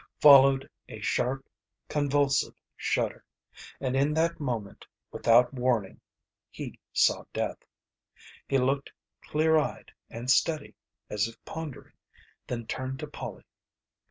Followed a sharp, convulsive shudder. And in that moment, without warning, he saw Death. He looked clear eyed and steady, as if pondering, then turned to Polly.